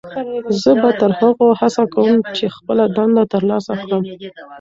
زه به تر هغو هڅه کوم چې خپله دنده ترلاسه کړم.